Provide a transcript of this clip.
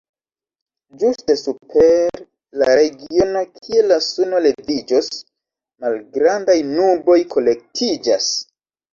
Ĝuste super la regiono, kie la suno leviĝos, malgrandaj nuboj kolektiĝas.